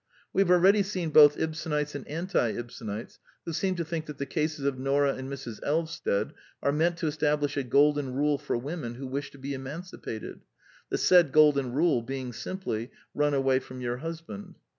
We have already seen both Ibsenites and anti Ibsenites who seem to think that the cases of Nora and Mrs. Elvsted are meant to establish a golden rule for women who wish to be emancipated ": the said golden rule being simply, Run away from your husband.